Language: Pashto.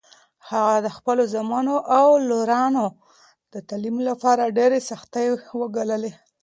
هغه د خپلو زامنو او لورانو د تعلیم لپاره ډېرې سختۍ وګاللې.